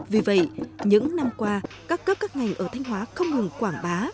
vì vậy những năm qua các cấp các ngành ở thanh hóa không ngừng quảng bá